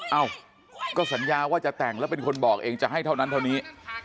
เอ้าก็สัญญาว่าจะแต่งแล้วเป็นคนบอกเองจะให้เท่านั้นเท่านี้